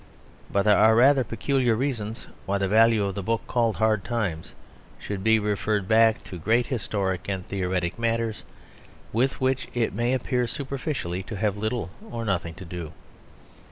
But there are rather particular reasons why the value of the book called Hard Times should be referred back to great historic and theoretic matters with which it may appear superficially to have little or nothing to do.